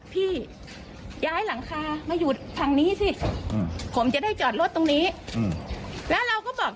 พี่ย้ายหลังคามาอยู่ทางนี้สิผมจะได้จอดรถตรงนี้แล้วเราก็บอก